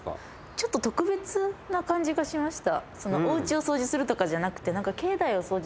ちょっと特別な感じがしました。